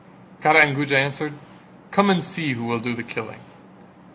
Kara and Guja answered "Come and see who will do the killing."